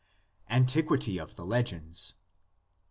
ANTIQUITY OF THE LEGENDS.